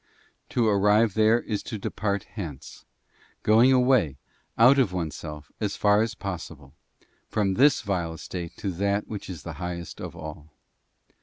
To arrive there is to depart hence, going away, out of oneself, as far as possible, from this vile estate to that which is the highest of all.